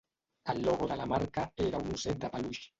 El logo de la marca era un osset de peluix.